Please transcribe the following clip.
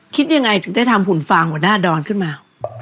คิดยังไงถึงได้ทำหุ่นฟางหัวหน้าดอนขึ้นมา